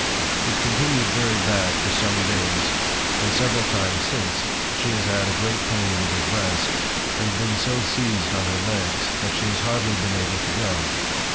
It continued very bad for some dayes; and several times since, she has had a great pain in her breast; and been so siezed on her leggs, that she has hardly been able to go.